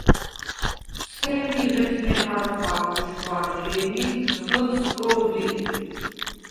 სემი ღეთ ნეღარ ხა̄გ უშხვა̄რჟი̄ნი ი ძღჷდ სკო̄დი ლი.